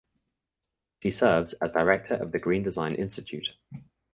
She serves as Director of the Green Design Institute.